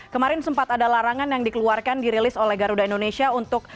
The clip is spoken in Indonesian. kemarin sempat ada larangan yang dikeluarkan dirilis oleh garuda indonesia untuk